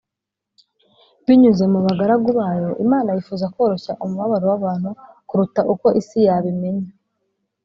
binyuze mu bagaragu bayo, imana yifuza koroshya umubabaro w’abantu kuruta uko isi yabimenya